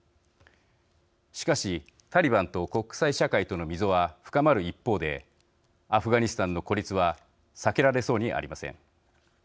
しかし、タリバンと国際社会との溝は深まる一方でアフガニスタンの孤立は避けられそうにありません。